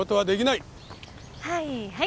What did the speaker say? はいはい。